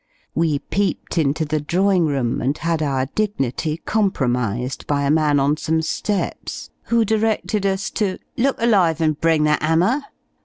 We peeped into the drawing room, and had our dignity compromised by a man on some steps; who directed us to "look alive and bring that hammer."